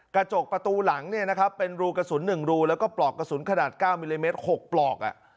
กระจกประตูหลังเนี่ยนะครับเป็นรูกระสุน๑รูแล้วก็ปลอกกระสุนขนาด๙มิลลิเมตร๖ปลอก